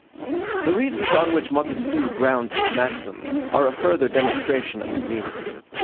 The reasons on which Montesquieu grounds his maxim are a further demonstration of his meaning.